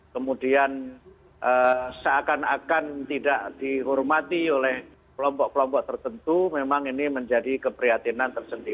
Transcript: kemudian seakan akan tidak dihormati oleh kelompok kelompok tertentu memang ini menjadi keprihatinan tersendiri